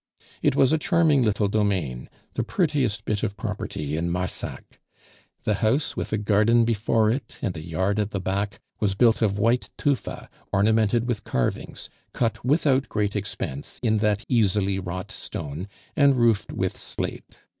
It was a charming little domain, the prettiest bit of property in Marsac. The house, with a garden before it and a yard at the back, was built of white tufa ornamented with carvings, cut without great expense in that easily wrought stone, and roofed with slate.